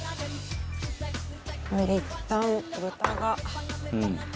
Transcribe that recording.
これでいったん豚が。